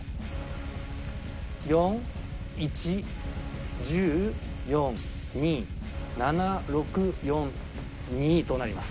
４１１０４２７６４２となります。